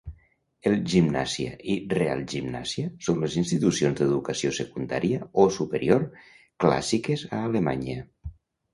Els Gymnasia y Realgymnasia són les institucions d'educació secundària o superior clàssiques a Alemanya.